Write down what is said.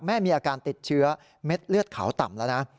แม่มีอาการติดเชื้อเม็ดเลือดขาวต่ำแล้วนะ